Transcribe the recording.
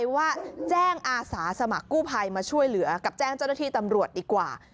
ว่าแจ้งอาสาสมัครกู้ภัยมาช่วยเหลือกับแจ้งเจ้าหน้าที่ตำรวจดีกว่า